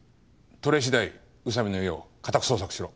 取れ次第宇佐美の家を家宅捜索しろ。